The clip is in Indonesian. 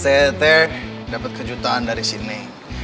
saya tuh dapat kejutan dari si neng